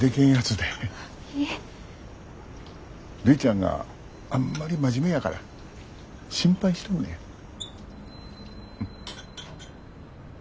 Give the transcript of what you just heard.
るいちゃんがあんまり真面目やから心配しとんのや。